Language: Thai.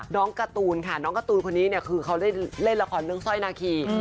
การ์ตูนค่ะน้องการ์ตูนคนนี้เนี่ยคือเขาเล่นละครเรื่องสร้อยนาคี